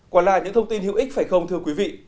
còn là những thông tin hữu ích phải không thưa quý vị